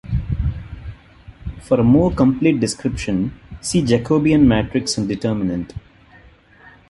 For a more complete description, see Jacobian matrix and determinant.